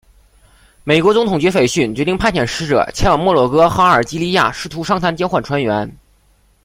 美国总统杰斐逊决定派遣使者前往摩洛哥和阿尔及利亚试图商谈交换船员。